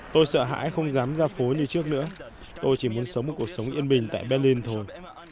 tôi sợ hãi không dám ra phố như trước nữa tôi chỉ muốn sống một cuộc sống yên bình tại berlin thôi